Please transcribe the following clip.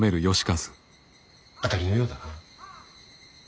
当たりのようだな。